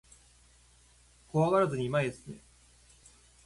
怖がらずに前へ進め